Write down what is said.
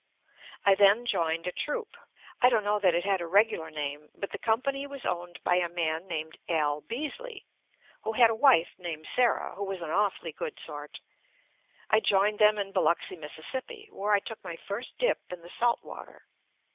I then joined a troupe. I don't know that it had a regular name, but the company was owned by a man named Al Beasley, who had a wife named Sarah who was an awfully good sort. I joined them in Biloxi, Mississippi, where I took my first dip in the salt water.